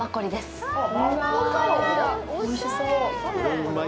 おいしそう。